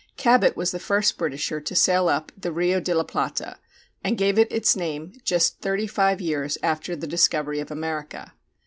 Cabot was the first Britisher to sail up the Rio de la Plata, and gave it its name just thirty five years after the discovery of America.